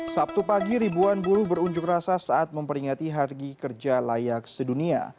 sabtu pagi ribuan buruh berunjuk rasa saat memperingati hari kerja layak sedunia